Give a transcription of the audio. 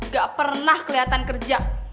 gak pernah keliatan kerja